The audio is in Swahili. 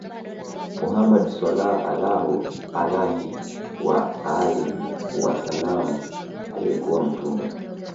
Muhammad Swalla Allaahu alayhi wa aalihi wa sallam aliyekuwa mtume